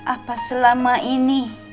apa selama ini